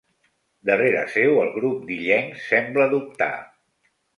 Darrere seu, el grup d'illencs sembla dubtar.